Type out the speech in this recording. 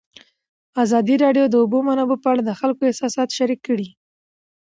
ازادي راډیو د د اوبو منابع په اړه د خلکو احساسات شریک کړي.